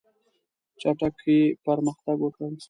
چټکي پرمختګ وکړ.